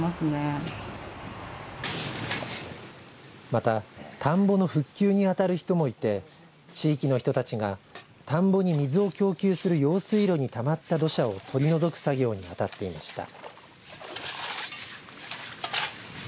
また田んぼの復旧にあたる人もいて地域の人たちが田んぼに水を供給する用水路にたまった土砂を取り除く作業に当たっていました。